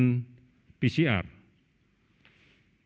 dan sudah lebih tiga ratus rumah rumah rumahravarsa pengakuan bedah tinggi